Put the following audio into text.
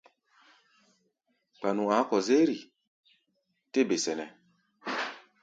Gbanu a̧á̧ kɔ-zérʼi? tɛ́ be sɛnɛ́.